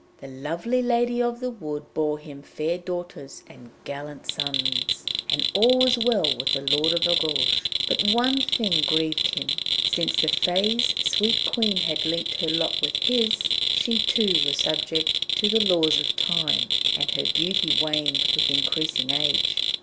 The lovely Lady of the Woods bore him fair daughters and gallant sons, and all was well with the Lord of Argouges. But one thing grieved him; since the Fées' sweet Queen had linked her lot with his, she too was subject to the laws of Time, and her beauty waned with increasing age.